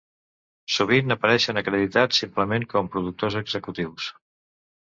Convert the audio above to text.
Sovint apareixen acreditats simplement com productors executius.